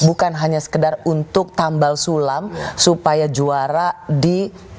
bukan hanya sekedar untuk tambal sulam supaya juara di